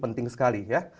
penting sekali ya